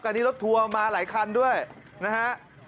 อันนี้รถทัวร์มาหลายคันด้วยนะฮะ